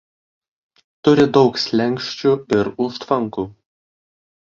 Turi daug slenksčių ir užtvankų.